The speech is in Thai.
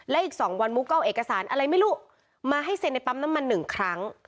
และอีก๒วันมุกก็เอาเอกสารอะไรไม่รู้มาให้เซ็นในปั๊มน้ำมัน๑ครั้ง